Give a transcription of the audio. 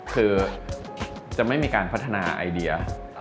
คือจะไม่มีการพัฒนาไอเดีย